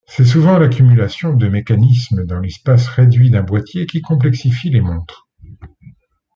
C'est souvent l'accumulation de mécanismes dans l'espace réduit d'un boitier qui complexifie les montres.